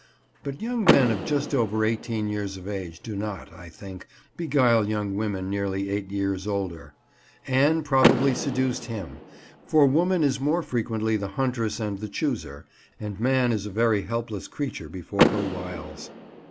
But young men of just over eighteen years of age do not, I think, beguile young women nearly eight years older. Anne probably seduced him; for woman is more frequently the huntress and the chooser, and man is a very helpless creature before her wiles.